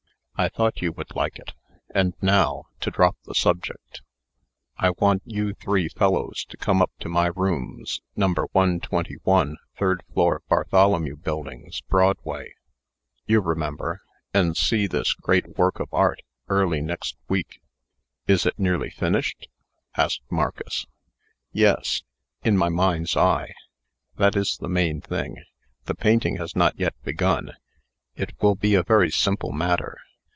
"I thought you would like it. And now, to drop the subject, I want you three fellows to come up to my rooms, No. 121, third floor, Bartholomew Buildings, Broadway you remember and see this great work of art, early next week." "Is it nearly finished?" asked Marcus. "Yes in my mind's eye. That is the main thing. The painting has not yet been begun. It will be a very simple matter.